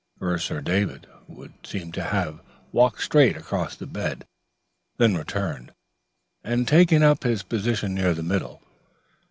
First Sir David would seem to have walked straight across the bed, then returned and taken up his position near the middle.